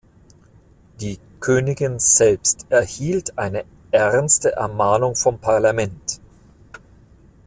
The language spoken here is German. Die Königin selbst erhielt eine ernste Ermahnung vom Parlament.